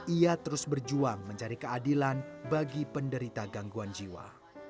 ia terus berjuang mencari keadilan bagi penderita gangguan jiwa